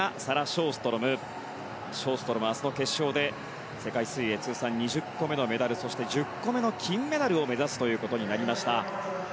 ショーストロムは明日の決勝で世界水泳通算２０個目のメダルそして１０個目の金メダルを目指すということになりました。